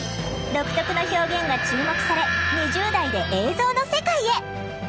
独特な表現が注目され２０代で映像の世界へ！